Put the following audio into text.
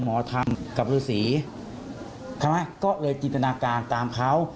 หมอทันกับฤษีก็เลยจินตนาการตามเขา